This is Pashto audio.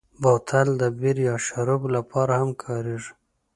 بوتل د بیر یا شرابو لپاره هم کارېږي.